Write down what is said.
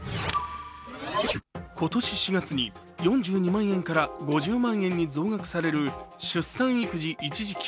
今年４月に４２万円から５０万円に増額される出産育児一時金。